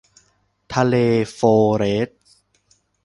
ทะเลโฟลเร็ซ